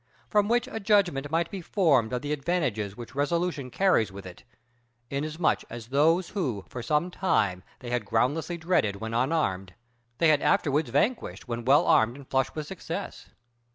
From which a judgment might be formed of the advantages which resolution carries with it, inasmuch as those whom for some time they had groundlessly dreaded when unarmed, they had afterwards vanquished when well armed and flushed with success.